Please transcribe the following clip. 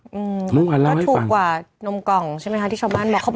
อืมเมื่อวานเราให้ฟังก็ถูกกว่านมกล่องใช่ไหมคะที่ชาวบ้านบอกเขาบอกว่า